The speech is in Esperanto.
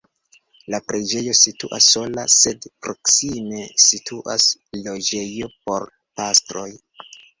La preĝejo situas sola sed proksime situas loĝejo por pastroj.